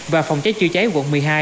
và phòng cháy chữa cháy quận một mươi hai